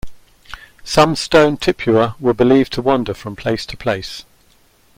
Some stone tipua were believed to wander from place to place.